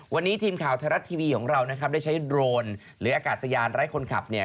วันนี้ทีมข่าวไทยรัฐทีวีของเรานะครับได้ใช้โดรนหรืออากาศยานไร้คนขับเนี่ย